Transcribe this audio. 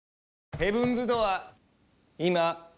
ヘブンズ・ドアー。